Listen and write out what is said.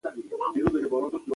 خدای په ټولوحیوانانو کی نادان کړم